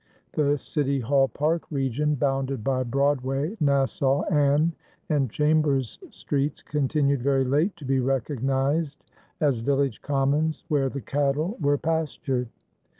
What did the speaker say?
The City Hall Park region bounded by Broadway, Nassau, Ann, and Chambers Streets continued very late to be recognized as village commons where the cattle were pastured.